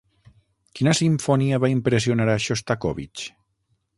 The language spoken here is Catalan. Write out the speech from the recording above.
Quina simfonia va impressionar a Xostakóvitx?